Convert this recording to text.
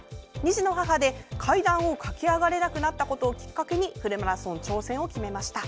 ２児の母で、階段を駆け上がれなくなったことをきっかけにフルマラソン挑戦を決めました。